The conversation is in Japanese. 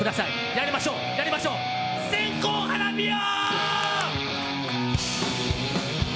やりましょう、やりましょう、「線香花火」よ！